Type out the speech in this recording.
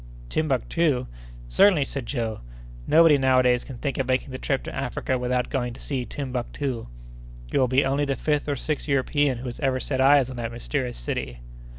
"Timbuctoo?" "Certainly," said Joe; "nobody nowadays can think of making the trip to Africa without going to see Timbuctoo." "You will be only the fifth or sixth European who has ever set eyes on that mysterious city."